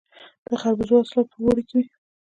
د خربوزو حاصلات په اوړي کې وي.